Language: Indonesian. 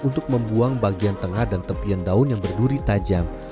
untuk membuang bagian tengah dan tepian daun yang berduri tajam